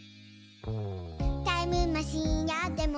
「タイムマシンあっても」